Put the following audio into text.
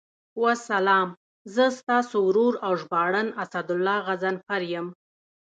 والسلام، زه ستاسو ورور او ژباړن اسدالله غضنفر یم.